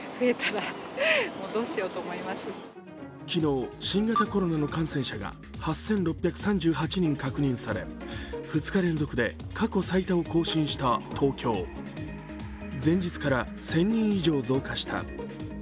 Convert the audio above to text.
昨日新型コロナの感染者が８６３８人確認され２日連続で過去最多を更新した東京前日から１０００人以上増加した。